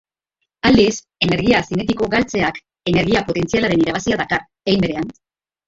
Aldiz, energia zinetikoa galtzeak energia potentzialaren irabazia dakar, hein berean.